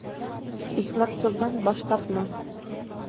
Икмәк-тоҙҙан баш тартма.